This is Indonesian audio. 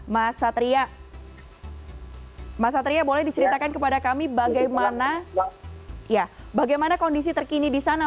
mas satria mas satria boleh diceritakan kepada kami bagaimana kondisi terkini di sana